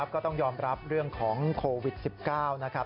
ก็ต้องยอมรับเรื่องของโควิด๑๙นะครับ